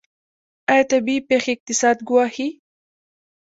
آیا طبیعي پیښې اقتصاد ګواښي؟